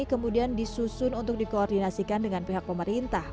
kemudian disusun untuk dikoordinasikan dengan pihak pemerintah